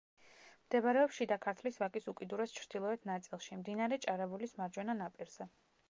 მდებარეობს შიდა ქართლის ვაკის უკიდურეს ჩრდილოეთ ნაწილში, მდინარე ჭარებულის მარჯვენა ნაპირზე.